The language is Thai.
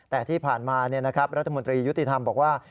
แต่ที่ผ่านมารัฐมนตรียุติธรรมบอกว่า